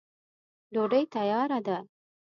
ډوډی تیاره ده.